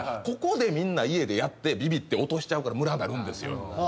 「ここでみんな家でやってビビって落としちゃうからムラになるんですよ」